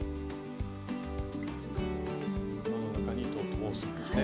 輪の中に糸を通すんですね